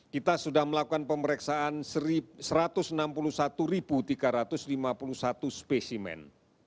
kita sudah melakukan pemeriksaan satu ratus enam puluh satu tiga ratus lima puluh satu spesimen